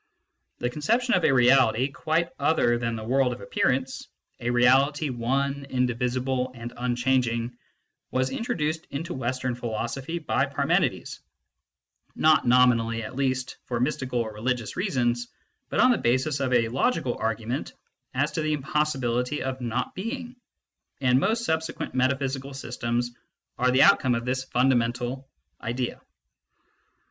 The conception of a Reality quite other than the world of appearance, a reality one, indivisible, and unchanging, was introduced into Western philosophy by Parmenides, not, nominally at least, for mystical or religious reasons, but on the basis of a logical argument as to the impossibility of not being, and most subsequent metaphysical systems are the outcome of this fundamental idea.